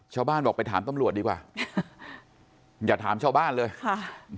ชาวบ้านบอกไปถามตำรวจดีกว่าอย่าถามชาวบ้านเลยค่ะ